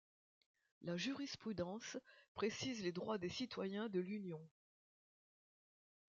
La jurisprudence précise les droits des citoyens de l'Union.